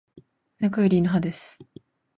猫より犬派です